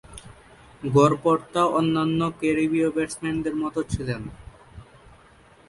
গড়পড়তা অন্যান্য ক্যারিবীয় ব্যাটসম্যানদের মতো ছিলেন না।